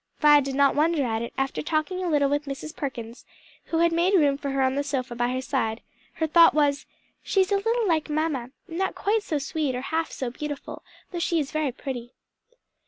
Vi did not wonder at it after talking a little with Mrs. Perkins, who had made room for her on the sofa by her side; her thought was, "She is a little like mamma; not quite so sweet nor half so beautiful; though she is very pretty."